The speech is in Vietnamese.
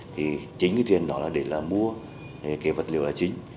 thì chính cái chuyện đó là để là mua cái vật liệu là chính